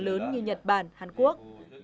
tăng lớn như nhật bản hàn quốc